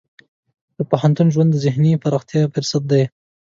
د پوهنتون ژوند د ذهني پراختیا فرصت دی.